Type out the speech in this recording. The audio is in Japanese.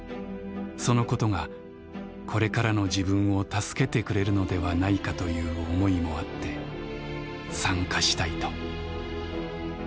そのことがこれからの自分を助けてくれるのではないかという思いもあって参加したいと」。